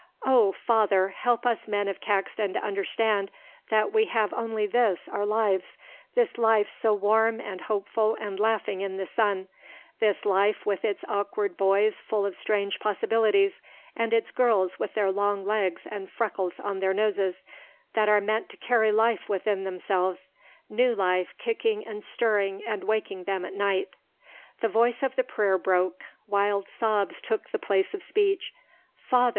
"Oh Father! help us men of Caxton to understand that we have only this, our lives, this life so warm and hopeful and laughing in the sun, this life with its awkward boys full of strange possibilities, and its girls with their long legs and freckles on their noses, that are meant to carry life within themselves, new life, kicking and stirring, and waking them at night." The voice of the prayer broke. Wild sobs took the place of speech. "Father!"